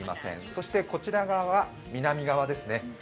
そしてこちら側は南側ですね。